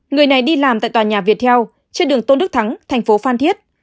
người này đi làm tại tòa nhà việt theo trên đường tôn đức thắng thành phố phan thiết